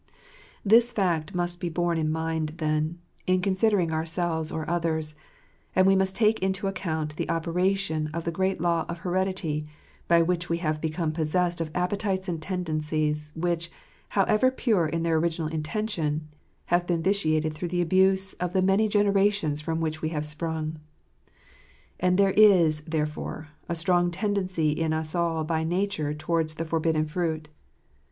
This fact must be borne in mind then, in considering our selves or others ; and we must take into account the opera tion of the great law of heredity* by which we have become possessed of appetites and tendencies, which, however pure in their original intention, have been vitiated through the abuse of the many generations from which we have sprung. And there is, therefore, a strong tendency in us all by nature towards the forbidden fruit.